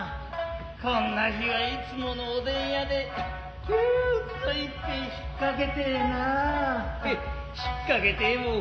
こんな日はいつものおでん屋でキュウと一っ杯引っかけてえなア。